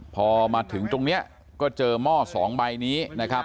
พอมาถึงตรงนี้ก็เจอหม้อสองใบนี้นะครับ